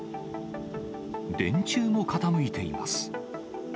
電柱も傾いています。